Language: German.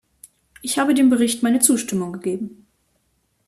Ich habe dem Bericht meine Zustimmung gegeben.